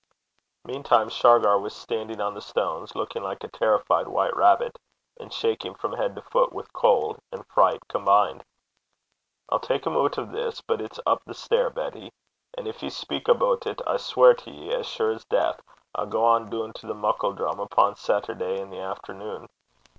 Meantime Shargar was standing on the stones, looking like a terrified white rabbit, and shaking from head to foot with cold and fright combined. 'I'll tak him oot o' this, but it's up the stair, Betty. An' gin ye gang benn the hoose aboot it, I sweir to ye, as sure 's death, I'll gang doon to Muckledrum upo' Setterday i' the efternune.'